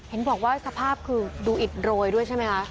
เห็นบอกว่าสภาพคือดูอิดโรยด้วยใช่ไหมคะ